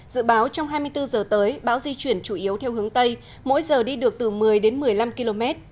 dự báo trong hai mươi bốn h tới bão di chuyển chủ yếu theo hướng tây mỗi giờ đi được từ một mươi đến một mươi năm km